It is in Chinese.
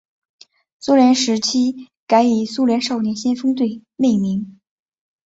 苏联时期改以苏联少年先锋队命名。